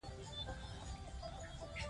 درواغ او تهمت د قلم سپکاوی دی.